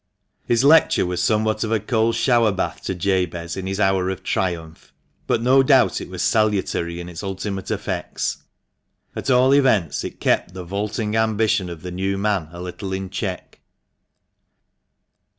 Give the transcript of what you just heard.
His lecture was somewhat of a cold shower bath to Jabez in his hour of triumph, but no doubt it was salutary in its ultimate effects. At all events, it kept the vaulting ambition of the new man a little in check.